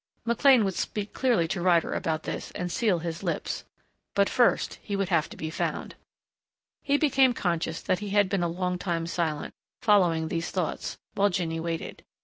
McLean would speak clearly to Ryder about this and seal his lips.... But first he would have to be found. He became conscious that he had been a long time silent, following these thoughts, while Jinny waited.